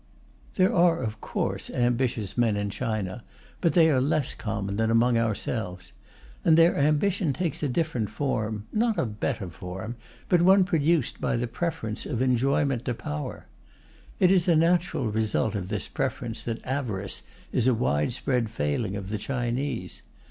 There are, of course, ambitious men in China, but they are less common than among ourselves. And their ambition takes a different form not a better form, but one produced by the preference of enjoyment to power. It is a natural result of this preference that avarice is a widespread failing of the Chinese.